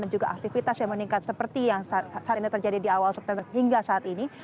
dan juga aktivitas yang meningkat seperti yang saat ini terjadi di awal september hingga saat ini